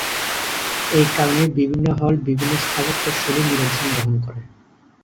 একারণে বিভিন্ন হল বিভিন্ন স্থাপত্যশৈলীর নিদর্শন বহন করে।